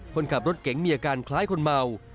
คนขับรถเก๋งมีอาการคล้ายคนเมา